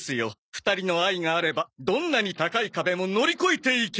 ２人の愛があればどんなに高い壁も乗り越えていける！